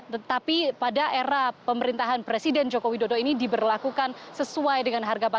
tetapi pada era pemerintahan presiden joko widodo ini diberlakukan sesuai dengan harga